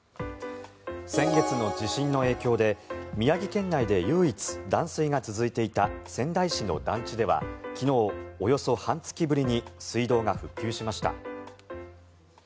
先月の地震の影響で宮城県内で唯一断水が続いていた仙台市の団地では昨日、およそ半月ぶりに水道が復旧しました。